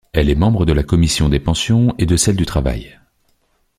Elle est membre de la commission des pensions et de celle du travail.